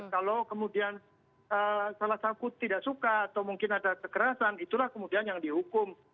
kalau kemudian salah satu tidak suka atau mungkin ada kekerasan itulah kemudian yang dihukum